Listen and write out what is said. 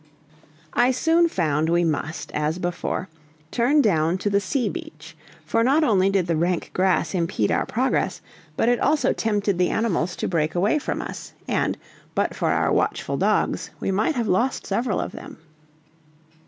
I soon found we must, as before, turn down to the sea beach, for not only did the rank grass impede our progress, but it also tempted the animals to break away from us, and, but for our watchful dogs, we might have lost several of them.